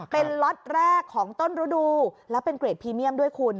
เป็นล็อตแรกของต้นฤดูแล้วเป็นเกรดพรีเมียมด้วยคุณ